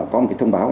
có một cái thông báo